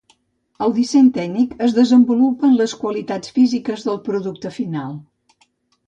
Al disseny tècnic es desenvolupen les qualitats físiques del producte final.